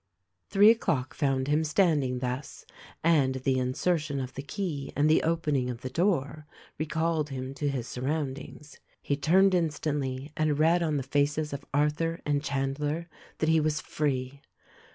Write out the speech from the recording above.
Three o'clock found him standing thus ; and the inser tion of the key and the opening of the door recalled him 211 212 THE RECORDING ANGEL to his surroundings. He turned instantly and read on the faces of Arthur and Chandler that he was free.